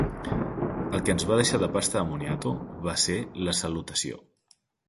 El que ens va deixar de pasta de moniato va ser la salutació.